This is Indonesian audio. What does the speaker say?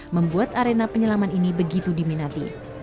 membuat arena penyelaman ini begitu diminati